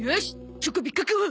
チョコビ確保。